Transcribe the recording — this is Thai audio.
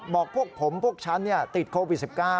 บอกพวกผมพวกฉันติดโควิด๑๙